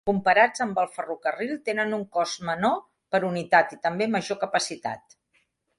Comparats amb el ferrocarril, tenen un cost menor per unitat i també major capacitat.